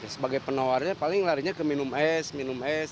sebagai penawarnya paling larinya ke minum es minum es